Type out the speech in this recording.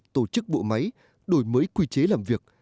tổ chức bộ máy đổi mới quy chế làm việc